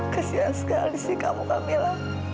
kesian sekali sih kamu kamila